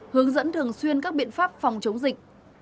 hướng dẫn thường xuyên các biện pháp phòng chống dịch